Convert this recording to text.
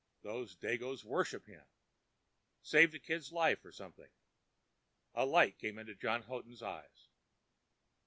Those dagoes worship him—saved a kid's life or something." A light came into John Houghton's eyes.